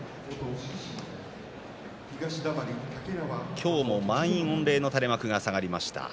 今日も満員御礼の垂れ幕が下がりました。